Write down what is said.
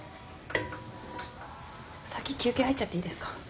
先休憩入っちゃっていいですか？